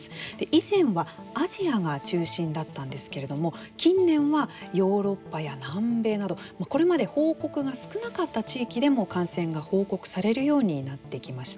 以前はアジアが中心だったんですけれども近年はヨーロッパや南米などこれまで報告が少なかった地域でも感染が報告されるようになってきました。